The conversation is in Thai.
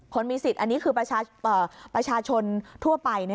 มีสิทธิ์อันนี้คือประชาชนทั่วไป